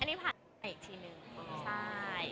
อันนี้ผ่านไปอีกทีนึงใช่